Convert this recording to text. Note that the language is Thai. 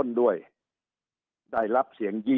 สุดท้ายก็ต้านไม่อยู่